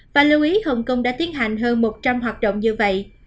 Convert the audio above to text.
và lưu ý hồng kông đã tiến hành hơn một trăm linh hoạt động như vậy